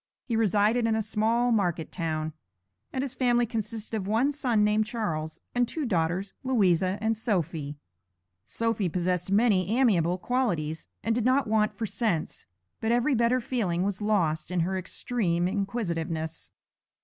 He resided in a small market town, and his family consisted of one son named Charles, and two daughters, Louisa and Sophy. Sophy possessed many amiable qualities, and did not want for sense, but every better feeling was lost in her extreme inquisitiveness.